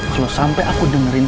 kalau sampai aku dengerin